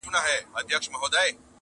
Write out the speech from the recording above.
كومه چېغه به كي سره ساړه رګونه!.